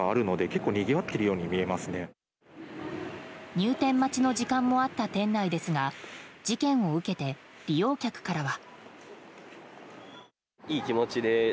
入店待ちの時間もあった店内ですが事件を受けて利用客からは。